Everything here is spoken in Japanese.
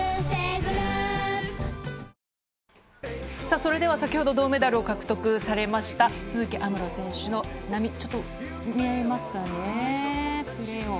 それでは先ほど銅メダルを獲得されました、都筑有夢路選手の波、ちょっと見られますかね、プレーを。